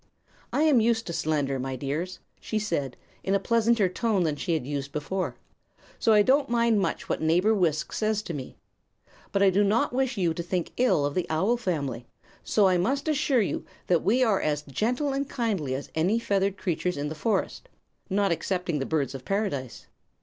"I'm used to slanders, my dears," she said, in a pleasanter tone than she had used before, "so I don't mind much what neighbor Wisk says to me. But I do not wish you to think ill of the owl family, and so I must assure you that we are as gentle and kindly as any feathered creatures in the forest not excepting the Birds of Paradise."